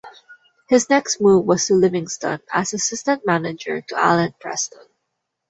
His next move was to Livingston as assistant manager to Allan Preston.